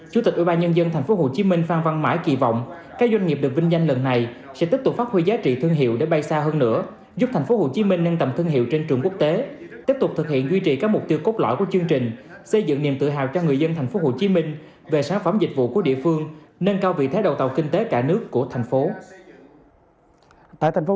chủ tịch ủy ban nhân dân tp hcm phan văn mãi kỳ vọng các doanh nghiệp được vinh danh lần này sẽ tiếp tục phát huy giá trị thương hiệu để bay xa hơn nữa giúp tp hcm nâng tầm thương hiệu trên trường quốc tế tiếp tục thực hiện duy trì các mục tiêu cốt lõi của chương trình xây dựng niềm tự hào cho người dân tp hcm về sản phẩm dịch vụ của địa phương nâng cao vị thế đầu tàu kinh tế cả nước của thành phố